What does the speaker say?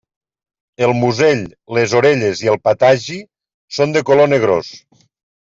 El musell, les orelles i el patagi són de color negrós.